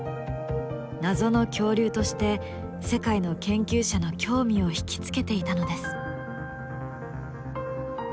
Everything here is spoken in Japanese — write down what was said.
謎の恐竜として世界の研究者の興味を引き付けていたのです。